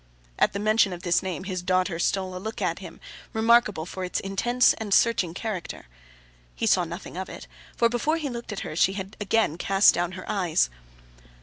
At the mention of this name, his daughter stole a look at him, remarkable for its intense and searching character. He saw nothing of it, for before he looked at her, she had again cast down her eyes!